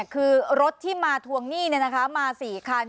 คือรถที่มาถ้วงนี่นะครับมา๔ครั้ง